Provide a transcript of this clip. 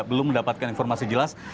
belum mendapatkan informasi jelas